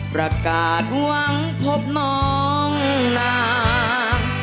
ประกาศหวังพบน้องนาง